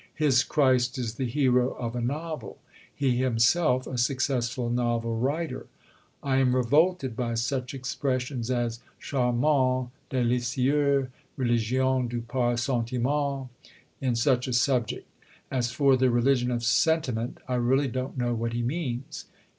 His Christ is the hero of a novel; he himself, a successful novel writer. I am revolted by such expressions as charmant, délicieux, religion du pur sentiment, in such a subject.... As for the "religion of sentiment," I really don't know what he means.